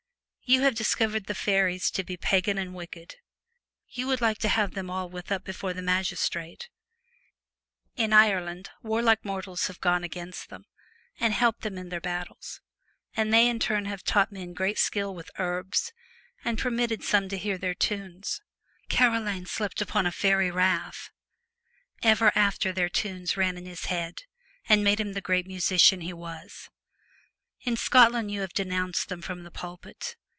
You have discovered the faeries to be pagan and 178 wicked. You would like to have them all A Remon strance with up before the magistrate. In Ireland Scotsmen. warlike mortals have gone amongst them, and helped them in their battles, and they in turn have taught men great skill with herbs, and permitted some few to hear their tunes. Carolan slept upon a faery rath. Ever after their tunes ran in his head, and made him the great musician he was. In Scotland you have denounced them from the pulpit.